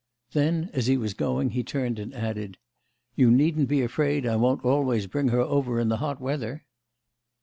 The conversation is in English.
Then as he was going he turned and added: "You needn't be afraid I won't always bring her over in the hot weather!"